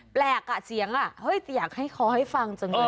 แปลกอ่ะเสียงอ่ะเฮ้ยแต่อยากให้คอให้ฟังจังเลย